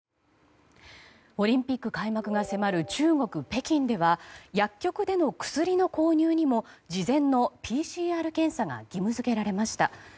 オリンピック開幕が迫る中国・北京では薬局での薬の購入にも事前のＰＣＲ検査が義務付けられました。